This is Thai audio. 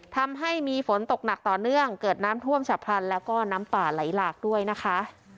ทำให้มีฝนตกหนักต่อเนื่องเกิดน้ำท่วมฉับพลันแล้วก็น้ำป่าไหลหลากด้วยนะคะ